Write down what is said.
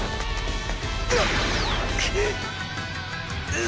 あっ。